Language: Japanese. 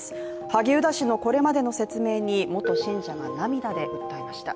萩生田氏のこれまでの説明に元信者が涙で訴えました。